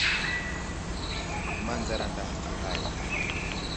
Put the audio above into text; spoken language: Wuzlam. Manzar aday haf i ghay.